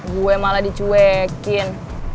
gue malah dicuekin